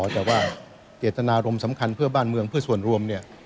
แต่ว่าเจตนารมณ์สำคัญเพื่อบ้านเมืองเพื่อส่วนรวมเนี่ย